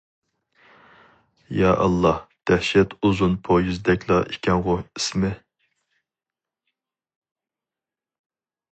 يائاللا دەھشەت ئۇزۇن پويىزدەكلا ئىكەنغۇ ئىسمى!